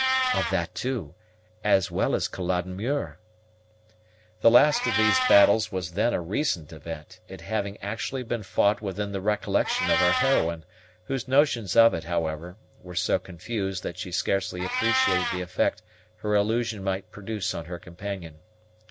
"Of that too, as well as of Culloden Muir." The last of these battles was then a recent event, it having actually been fought within the recollection of our heroine, whose notions of it, however, were so confused that she scarcely appreciated the effect her allusion might produce on her companion.